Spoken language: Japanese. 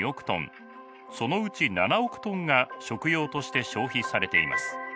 そのうち７億トンが食用として消費されています。